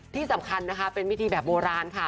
ที่สำคัญนะคะเป็นวิธีแบบโบราณค่ะ